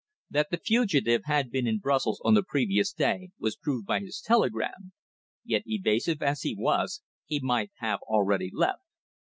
That the fugitive had been in Brussels on the previous day was proved by his telegram, yet evasive as he was, he might have already left.